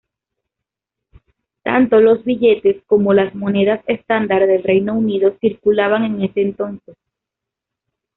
Tanto los billetes como las monedas estándar del Reino Unido circulaban en ese entonces.